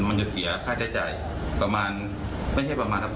มันจะสีอาชายใจประมาณไม่ใช่ประมาณครับ